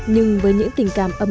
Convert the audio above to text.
nhưng với những tình cảm ấm